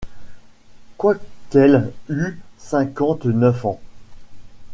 Quoiqu’elle eût cinquante-neuf ans